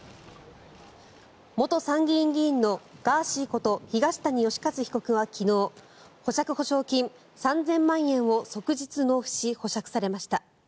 元参議院議員のガーシーこと東谷義和被告は昨日、保釈保証金３０００万円を即日納付し、保釈されました。